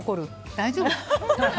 大丈夫。